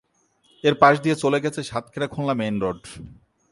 এর পাশ দিয়ে চলে গেছে সাতক্ষীরা-খুলনা মেইন রোড।